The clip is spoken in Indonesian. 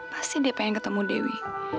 pasti dia pengen ketemu dewi